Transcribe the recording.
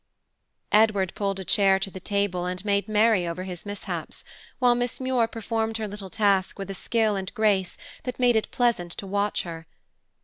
Edward pulled a chair to the table and made merry over his mishaps, while Miss Muir performed her little task with a skill and grace that made it pleasant to watch her.